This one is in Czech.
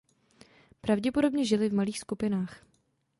Pravděpodobně žili v malých skupinách.